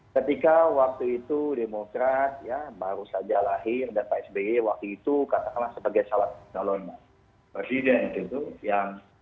ketika waktu itu demokrat ya baru saja lahir dan pak sby waktu itu katakanlah sebagai salah calon presiden itu yang